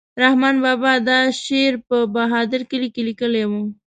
رحمان بابا دا شعر په بهادر کلي کې لیکلی و.